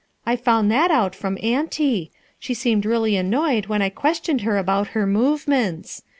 I found that out from auntie; she seemed really annoyed when I questioned her nbout her movements.